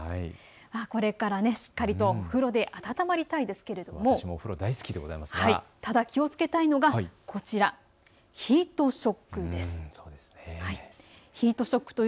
これからしっかりとお風呂で温まりたいですけれどもただ気をつけたいのがこちらヒートショックです。